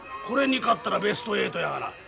これに勝ったらベスト８やがな。